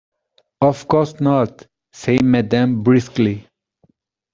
"Of course not," said madame briskly.